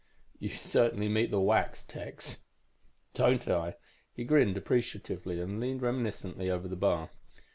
"You certainly meet the whacks, Tex!" "Don't I!" He grinned appreciatively and leaned reminiscently over the bar.